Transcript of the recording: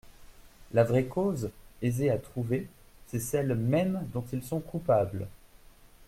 La vraie cause, aisée à trouver, c'est celle même dont ils sont coupables.